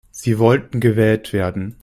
Sie wollten gewählt werden.